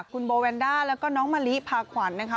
คุณโบแวนด้าแล้วก็น้องมะลิพาขวัญนะคะ